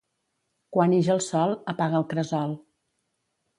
Quan ix el sol, apaga el cresol.